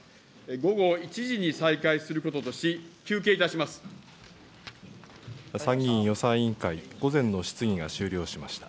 午後１時に再開することとし、休参議院予算委員会、午前の質疑が終了しました。